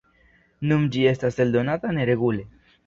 Nun ĝi estas eldonata neregule.